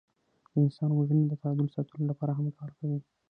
د انسان غوږونه د تعادل ساتلو لپاره هم کار کوي.